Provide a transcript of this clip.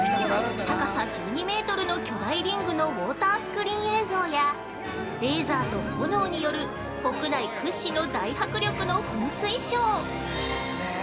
◆高さ１２メートルの巨大リングのウォータースクリーン映像やレーザーと炎による国内屈指の大迫力の噴水ショー。